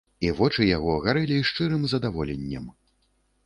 І вочы яго гарэлі шчырым здаволеннем.